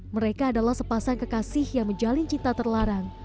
mereka adalah sepasang kekasih yang menjalin cinta terlarang